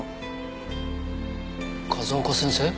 風丘先生？